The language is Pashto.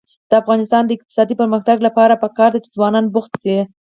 د افغانستان د اقتصادي پرمختګ لپاره پکار ده چې ځوانان بوخت شي.